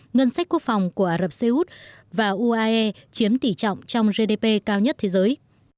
ngân sách quốc phòng của ả rập xê út và uae chiếm tỷ trọng trong gdp cao nhất thế giới